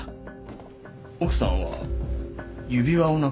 奥さんは指輪をなくされたとか。